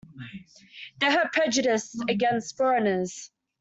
They have prejudices against foreigners.